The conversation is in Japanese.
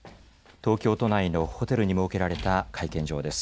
東京都内のホテルに設けられた会見場です。